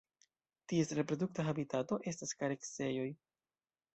Ties reprodukta habitato estas kareksejoj.